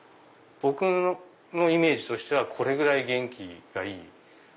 僕のイメージとしてはこれぐらい元気がいい。